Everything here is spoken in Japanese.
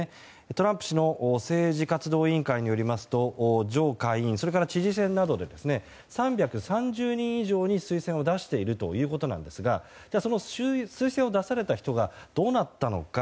トランプ氏の政治活動委員会によりますと上下院、そして知事選などでも３３０人以上に推薦を出しているということなんですがその推薦を出された人がどうなったのか